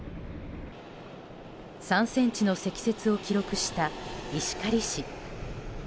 ３ｃｍの積雪を記録した石狩市。